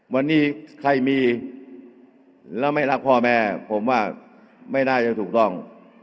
วันนี้ใครมีแล้วไม่รักพ่อแม่ผมว่าไม่น่าจะถูกต้อง